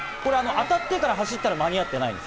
当たってから走ったら間に合ってない。